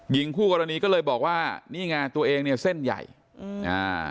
หญิงคู่กรณีก็เลยบอกว่านี่ไงตัวเองเนี่ยเส้นใหญ่อืมอ่า